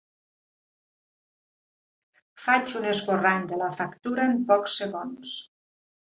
Faig un esborrany de la factura en pocs segons.